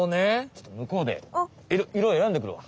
ちょっとむこうで色えらんでくるわ。